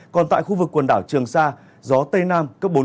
còn tại khu vực quần đảo trường sa gió tây nam cấp bốn